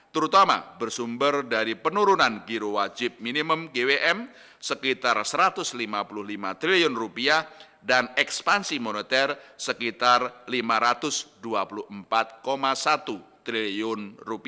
terutama bersumber dari penurunan giro wajib minimum gwm sekitar rp satu ratus lima puluh lima triliun dan ekspansi moneter sekitar rp lima ratus dua puluh empat satu triliun